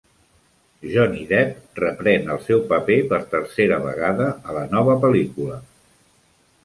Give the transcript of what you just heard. Johnny Depp reprèn el seu paper per tercera vegada a la nova pel·lícula.